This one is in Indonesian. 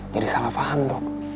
jadi salah faham dok